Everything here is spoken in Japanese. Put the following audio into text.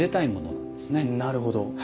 なるほど。